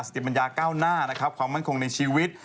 ติปัญญาก้าวหน้านะครับความมั่นคงในชีวิต